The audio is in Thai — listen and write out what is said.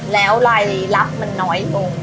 แล้วรายลับมันน้อยลง